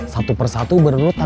satu persatu bernurutan